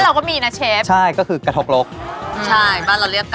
ราคาคือนะครับ